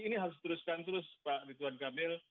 jadi ini harus teruskan terus pak rituan kamil